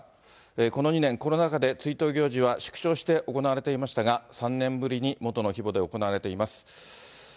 この２年、コロナ禍で追悼行事は縮小して行われていましたが、３年ぶりに元の規模で行われています。